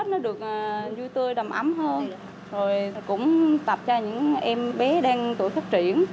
tết được vui tươi đầm ấm hơn tập cho những em bé đang tuổi phát triển